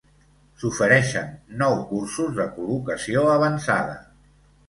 S'ofereixen nou cursos de col·locació avançada.